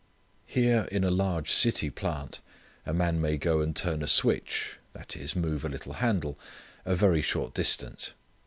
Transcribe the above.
Here in a large city plant a man may go and turn a switch, that is, move a little handle, a very short distance.